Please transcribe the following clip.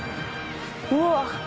うわっ